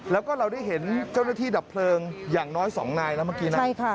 แล้วก็เราได้เห็นเจ้าหน้าที่ดับเพลิงอย่างน้อย๒นายแล้วเมื่อกี้นะ